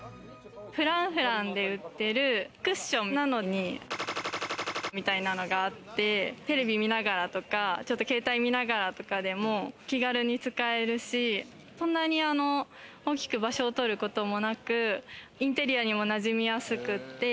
Ｆｒａｎｃｆｒａｎｃで売ってるクッションなのにみたいなのがあって、テレビ見ながらとか携帯見ながらとかでも気軽に使えるし、そんなに大きく場所をとることもなく、インテリアにも、なじみやすくって。